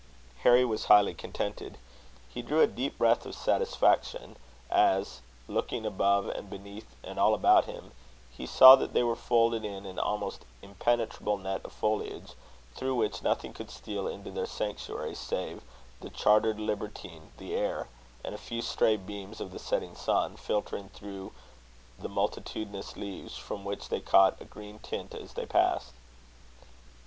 Harry was highly contented. He drew a deep breath of satisfaction as, looking above and beneath and all about him, he saw that they were folded in an almost impenetrable net of foliage, through which nothing could steal into their sanctuary, save "the chartered libertine, the air," and a few stray beams of the setting sun, filtering through the multitudinous leaves, from which they caught a green tint as they passed.